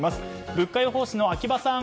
物価予報士の秋葉さん